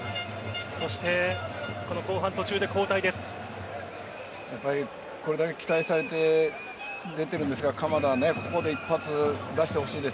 そして後半途中で交代です。